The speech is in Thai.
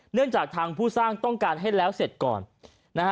เนื่องจากทางผู้สร้างต้องการให้แล้วเสร็จก่อนนะฮะ